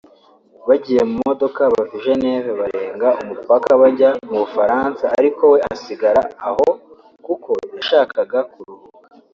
bagiye mu modoka bava I Geneve barenga umupaka bajya mu Bufaransa ariko we asigara aho kuko yashakaga kuruhuka